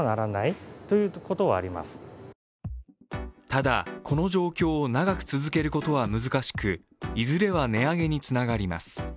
ただ、この状況を長く続けることは難しく、いずれは値上げにつながります。